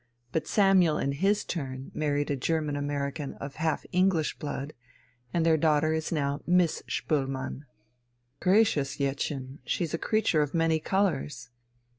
But Samuel in his turn married a German American of half English blood, and their daughter is now Miss Spoelmann." "Gracious, Jettchen, she's a creature of many colours!"